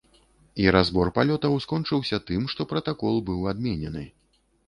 І разбор палётаў скончыўся тым, што пратакол быў адменены.